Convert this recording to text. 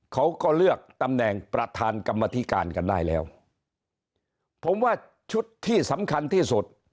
เขาก็เลือกตำแหน่งประธานกรรมธิการกันได้แล้วผมว่าชุดที่สำคัญที่สุด